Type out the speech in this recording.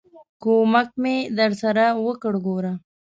ک و م ک مې درسره وکړ، ګوره!